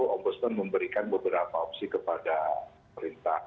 om budsman memberikan beberapa opsi kepada perintah